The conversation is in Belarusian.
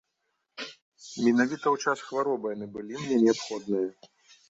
Менавіта ў час хваробы яны былі мне неабходныя.